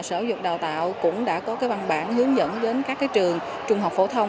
sở dục đào tạo cũng đã có văn bản hướng dẫn đến các trường trung học phổ thông